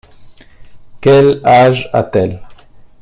Quel âge a-t-elle?